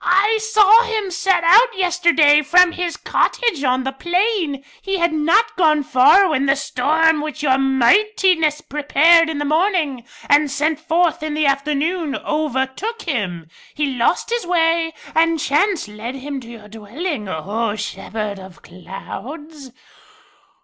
"I saw him set out yesterday from his cottage on the plain. He had not gone far when the storm which Your Mightiness prepared in the morning and sent forth in the afternoon overtook him. He lost his way, and chance led him to your dwelling, O Shepherd of Clouds."